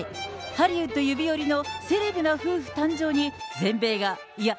ハリウッド指折りのセレブな夫婦誕生に、全米が、いや、